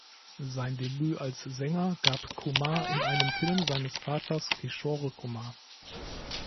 Sein Debüt als Sänger gab Kumar in einem Film seines Vaters Kishore Kumar.